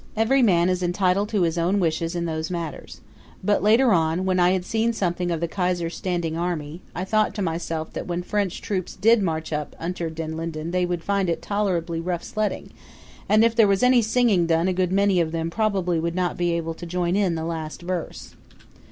Every man is entitled to his own wishes in those matters. But later on, when I had seen something of the Kaiser's standing army, I thought to myself that when the French troops did march up Unter den Linden they would find it tolerably rough sledding, and if there was any singing done a good many of them probably would not be able to join in the last verse.